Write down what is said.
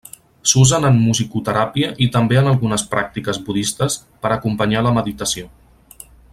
S'usen en musicoteràpia i també en algunes pràctiques budistes per acompanyar la meditació.